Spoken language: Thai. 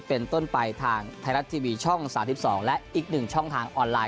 เป็นต้นไปทางไทยรัฐทีวีช่อง๓๒และอีก๑ช่องทางออนไลน